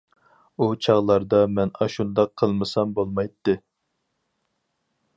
ئۇ چاغلاردا مەن ئاشۇنداق قىلمىسام بولمايتتى.